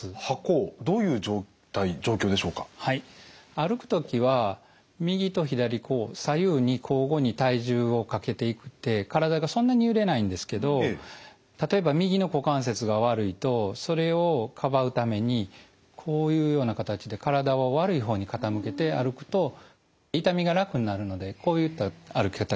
歩く時は右と左こう左右に交互に体重をかけていって体がそんなに揺れないんですけど例えば右の股関節が悪いとそれをかばうためにこういうような形で体を悪い方に傾けて歩くと痛みが楽になるのでこういった歩き方が特徴です。